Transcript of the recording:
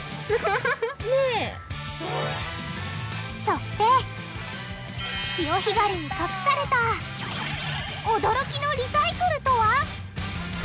そして潮干狩りに隠された驚きのリサイクルとは！？